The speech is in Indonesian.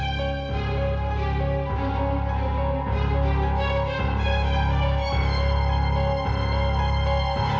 semuanya itu tuh sama bu